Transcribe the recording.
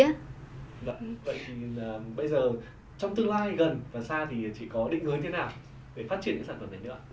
vậy thì bây giờ trong tương lai gần và xa thì chị có định hướng thế nào để phát triển cái sản phẩm này nữa ạ